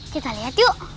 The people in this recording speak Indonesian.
kita lihat yuk